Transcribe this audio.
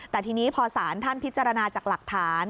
แต่ทีนี้พอศาลท่านพิจารณาจากหลักฐาน